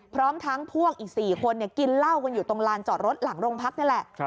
พร้อมทั้งพวกอีก๔คนกินเหล้ากันอยู่ตรงลานจอดรถหลังโรงพักนี่แหละ